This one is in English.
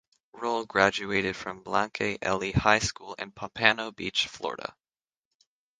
Rolle graduated from Blanche Ely High School in Pompano Beach, Florida.